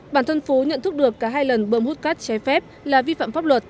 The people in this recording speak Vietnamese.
bản thân phú nhận thức được cả hai lần bơm hút cát trái phép là vi phạm pháp luật